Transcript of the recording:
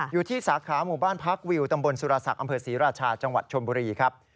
อยู่ที่สาขาหมู่บ้านพักวิวตำบลสุรศักดิ์อำเภอศรีราชาจังหวัดชนบุรีครับ